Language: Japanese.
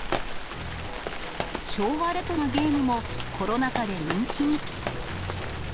昭和レトロなゲームも、コロナ禍で人気に。